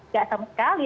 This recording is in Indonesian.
tidak sama sekali